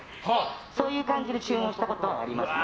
そういう感じで注文したことはありますね。